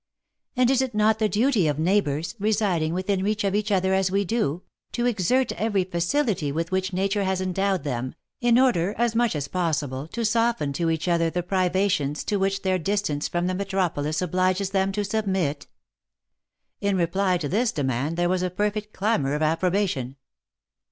" And is it not the duty of neighbours, residing within reach of each other as we do, to exert every facility with which nature has endowed them, in order as much as possible to soften to each other the privations to which their distance from the metropolis obliges them to submit?" In reply to this demand, there was a perfect clamour of approba tion.